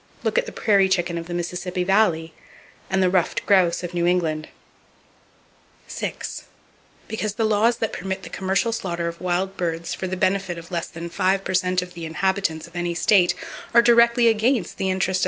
Look at the prairie chicken of the Mississippi Valley, and the ruffed grouse of New England. —Because the laws that permit the commercial slaughter of wild birds for the benefit of less than five per cent of the inhabitants of any state are directly against the interest of the 95 per cent of other people, to whom that game partly belongs.